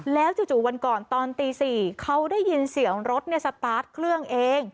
แล้วจู่วันก่อนตอนตี๔เขาได้ยินเสียงรถสตาร์ทเครื่องเอง